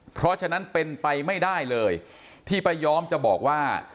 เพราะฉะนั้นเป็นไปไม่ได้เลยที่ป้าย้อมจะบอกว่า